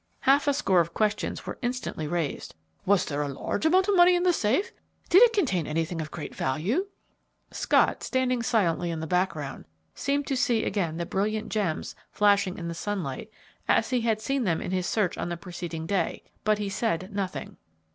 Half a score of questions were instantly raised: "Was there a large amount of money in the safe?" "Did it contain anything of great value?" Scott, standing silently in the background, seemed to see again the brilliant gems flashing in the sunlight, as he had seen them in his search on the preceding day, but he said nothing.